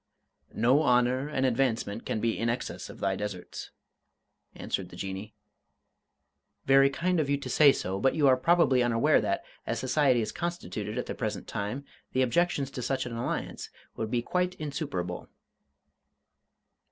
"No honour and advancement can be in excess of thy deserts," answered the Jinnee. "Very kind of you to say so but you are probably unaware that, as society is constituted at the present time, the objections to such an alliance would be quite insuperable."